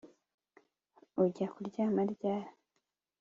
ujya kuryama ryari